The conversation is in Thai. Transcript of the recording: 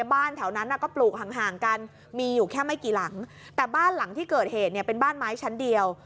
บ้านแถวนั้นก็ปลูกห่างห่างกันมีอยู่แค่ไม่กี่หลังแต่บ้านหลังที่เกิดเหตุเนี่ยเป็นบ้านไม้ชั้นเดียว